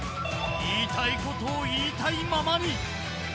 いいたいことをいいたいままに！